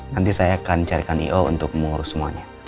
nanti saya akan carikan i o untuk mengurus semuanya